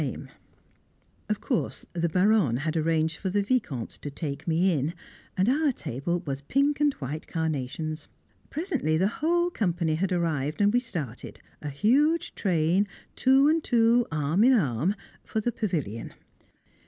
[Sidenote: Les Jeunes Filles] Of course the Baronne had arranged for the Vicomte to take me in; and our table was pink and white carnations. Presently the whole company had arrived, and we started a huge train, two and two, arm in arm for the pavilion.